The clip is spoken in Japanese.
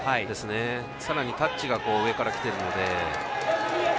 さらにタッチが上からきてるので。